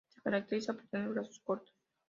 Se caracteriza por tener brazos cortos.